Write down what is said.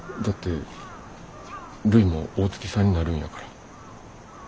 だってるいも大月さんになるんやから。